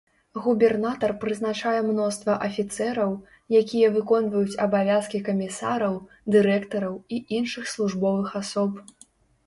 Губернатар прызначае мноства афіцэраў, якія выконваюць абавязкі камісараў, дырэктараў і іншых службовых асоб.